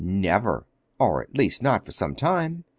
"Never!—or, at least, not for some time.